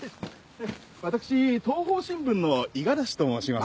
私東邦新聞の五十嵐と申します。